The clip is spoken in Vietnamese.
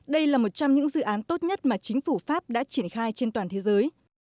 đây là một trong những dự án tốt nhất mà chính phủ pháp đã triển khai trên toàn thế giới